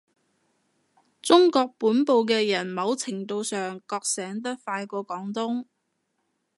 中國本部嘅人某程度上覺醒得快過廣東